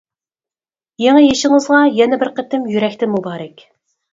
يېڭى يېشىڭىزغا يەنە بىر قېتىم يۈرەكتىن مۇبارەك!